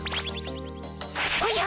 おじゃ！